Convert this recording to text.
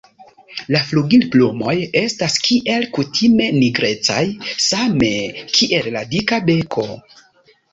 La flugilplumoj estas kiel kutime nigrecaj, same kiel la dika beko.